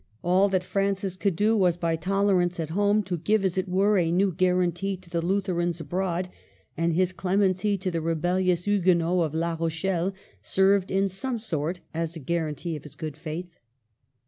All that Francis could do was by tolerance at home to give, as it were, a new guarantee to the Lutherans abroad; and his clemency to the rebellious Huguenots of La Rochelle served in some sort as a guarantee of his good faith.